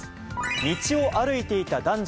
道を歩いていた男女。